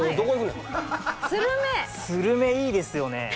これいいですよね。